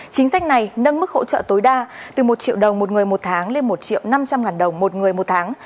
chính sách này nâng mức hỗ trợ tối đa từ một triệu đồng một người một tháng lên một năm trăm linh ngàn đồng một người một tháng